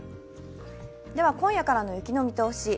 今夜からの雪の見通し。